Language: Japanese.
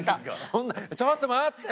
そんな「ちょっと待って！」。